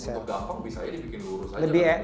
bisa aja dibikin lurus aja